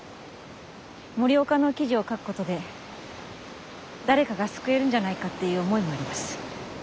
森岡の記事を書くことで誰かが救えるんじゃないかっていう思いもあります。